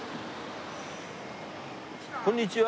こんにちは。